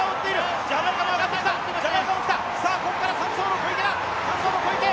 ここから３走の小池！